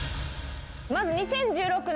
まず２０１６年